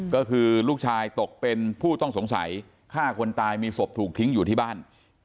ก็คือลูกชายตกเป็นผู้ต้องสงสัยฆ่าคนตายมีศพถูกทิ้งอยู่ที่บ้าน